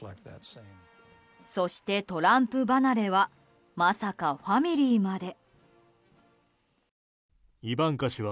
そしてトランプ離れはまさかファミリーまで。